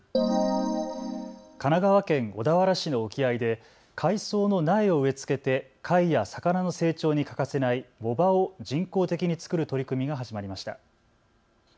神奈川県小田原市の沖合で海藻の苗を植え付けて貝や魚の成長に欠かせない藻場を人工的に作る取り組みが始まりました。